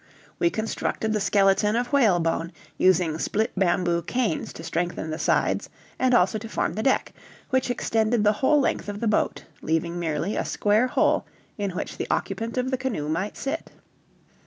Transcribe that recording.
We constructed the skeleton of whalebone, using split bamboo canes to strengthen the sides and also to form the deck, which extended the whole length of the boat, leaving merely a square hole in which the occupant of the canoe might sit.